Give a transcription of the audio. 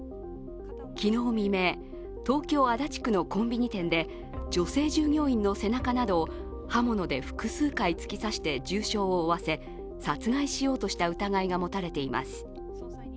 昨日未明、東京・足立区のコンビニ店で女性従業員の背中などを刃物で複数回突き刺して重傷を負わせ、殺害しようとした疑いが持たれています。